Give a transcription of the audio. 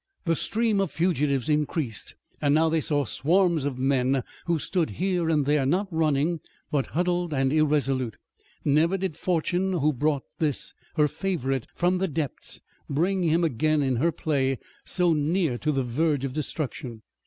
The stream of fugitives increased, and now they saw swarms of men who stood here and there, not running, but huddled and irresolute. Never did Fortune, who brought this, her favorite, from the depths, bring him again in her play so near to the verge of destruction.